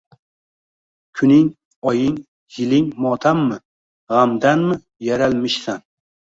Kuning, oying, yiling motammi, gʻamdanmi yaralmishsan?